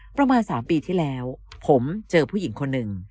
ประมาณ๓ปีที่แล้วผมเจอผู้หญิงคนหนึ่ง